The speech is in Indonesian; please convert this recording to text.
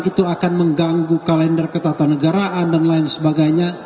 itu akan mengganggu kalender ketatanegaraan dan lain sebagainya